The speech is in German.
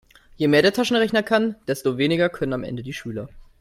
Je mehr der Taschenrechner kann, desto weniger können am Ende die Schüler.